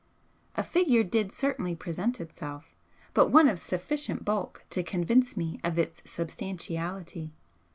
A figure did certainly present itself, but one of sufficient bulk to convince me of its substantiality.